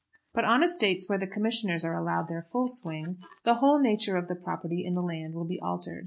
But on estates where the commissioners are allowed their full swing, the whole nature of the property in the land will be altered.